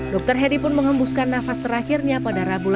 dokter heri pun mengembuskan nafas terakhirnya pada rabu lalu